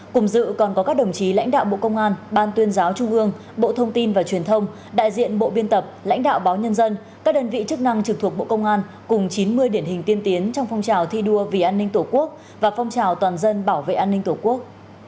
cùng dự còn có các đồng chí lãnh đạo bộ công an ban tuyên giáo trung ương bộ thông tin và truyền thông đại diện bộ biên tập lãnh đạo báo nhân dân các đơn vị chức năng trực thuộc bộ công an cùng chín mươi điển hình tiên tiến trong phong trào thi đua vì an ninh tổ quốc và phong trào toàn dân bảo vệ an ninh tổ quốc